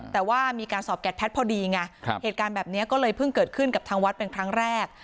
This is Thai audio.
แต่ว่ามีการสอบแกดแพทย์พอดีไงเหตุการณ์แบบนี้ก็เลยเพิ่งเกิดขึ้นกับทางวัดเป็นครั้งแรก